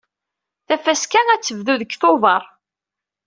Tafaska ad tebdu deg Tubeṛ.